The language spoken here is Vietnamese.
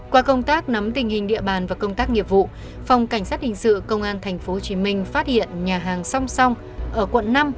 qua công tác nắm tình hình địa bàn và công tác nghiệp vụ phòng cảnh sát hình sự công an tp hcm phát hiện nhà hàng song song ở quận năm